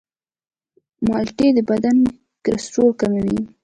مالټې د بدن کلسترول کموي.